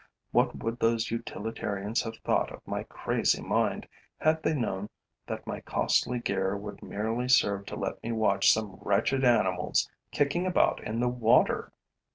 What would those utilitarians have thought of my crazy mind, had they known that my costly gear would merely serve to let me watch some wretched animals kicking about in the water!